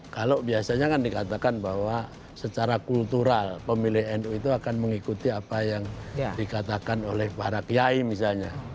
kalau biasanya kan dikatakan bahwa secara kultural pemilih nu itu akan mengikuti apa yang dikatakan oleh para kiai misalnya